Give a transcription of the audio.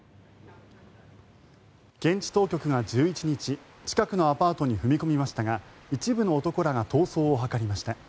現地当局が１１日近くのアパートに踏み込みましたが一部の男らが逃走を図りました。